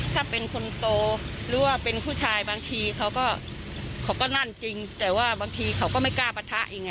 ถ้าเป็นคนโตหรือว่าเป็นผู้ชายบางทีเขาก็นั่นจริงแต่ว่าบางทีเขาก็ไม่กล้าปะทะอีกไง